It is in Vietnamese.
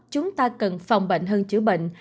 chúng ta cần phòng bệnh hơn chữa bệnh